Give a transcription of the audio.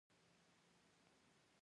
غوزان په غرنیو سیمو کې کیږي.